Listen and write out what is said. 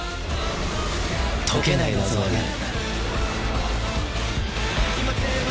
解けない謎はない。